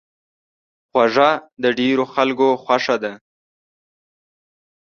خوږه د ډېرو خلکو خوښه ده.